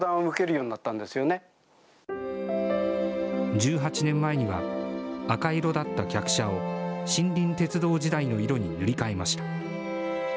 １８年前には、赤色だった客車を森林鉄道時代の色に塗り替えました。